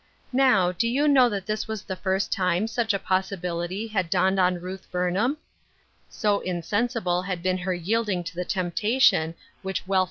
Now, do you know that this was the first time such a possibDity had dawned on Ruth Burnham ? So insensible had been her yielding to the temptation which wealth 802 Ruth Erskine'% Crosses.